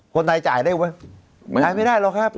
คนไทยจ่ายได้ไหมจ่ายไม่ได้หรอกครับ